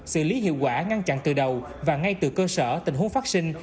xử lý hiệu quả ngăn chặn từ đầu và ngay từ cơ sở tình huống phát sinh